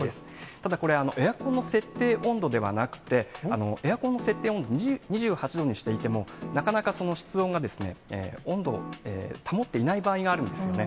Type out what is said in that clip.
ただこれ、エアコンの設定温度ではなくて、エアコンの設定温度２８度にしていても、なかなか室温が温度、保っていない場合があるんですよね。